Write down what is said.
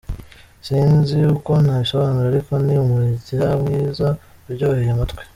Sinzi uko nabisobanura ariko ni umurya mwiza uryoheye amatwi.